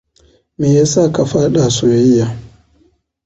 Me ya sa ka faɗa soyayya?